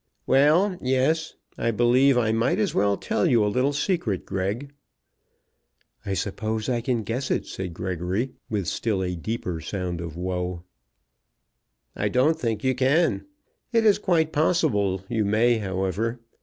"Well; yes. I believe I might as well tell you a little secret, Greg." "I suppose I can guess it," said Gregory, with still a deeper sound of woe. "I don't think you can. It is quite possible you may, however.